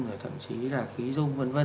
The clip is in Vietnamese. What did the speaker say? rồi thậm chí là khí rung v v